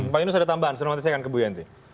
pak yunus ada tambahan selanjutnya saya akan ke bu yanti